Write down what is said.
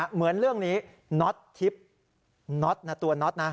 เหมือนเรื่องนี้น็อตทิพย์น็อตนะตัวน็อตนะ